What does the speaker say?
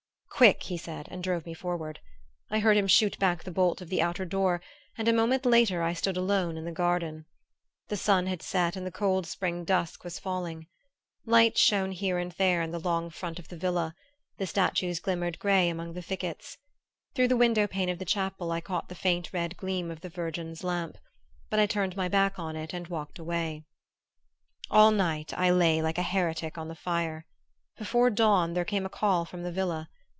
"Quick!" he said and drove me forward. I heard him shoot back the bolt of the outer door and a moment later I stood alone in the garden. The sun had set and the cold spring dusk was falling. Lights shone here and there in the long front of the villa; the statues glimmered gray among the thickets. Through the window pane of the chapel I caught the faint red gleam of the Virgin's lamp; but I turned my back on it and walked away. All night I lay like a heretic on the fire. Before dawn there came a call from the villa.